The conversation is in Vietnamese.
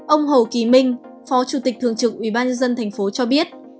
ông hồ kỳ minh phó chủ tịch thường trực ubnd thành phố cho biết